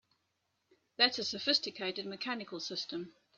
That's a sophisticated mechanical system!